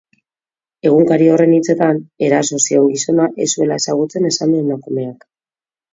Egunkari horren hitzetan, eraso zion gizona ez zuela ezagutzen esan du emakumeak.